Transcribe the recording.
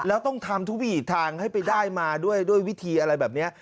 แล้วต้องทำทุกวิถีทางให้ไปได้มาด้วยวิธีอะไรแบบนี้